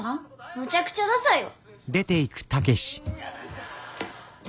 むちゃくちゃダサいわ！